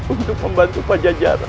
untuk membantu pajajaran